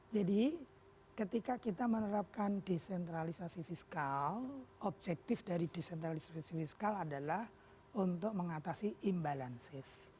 jadi ketika kita menerapkan desentralisasi fiskal objektif dari desentralisasi fiskal adalah untuk mengatasi imbalansis